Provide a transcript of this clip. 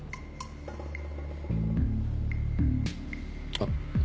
あっ。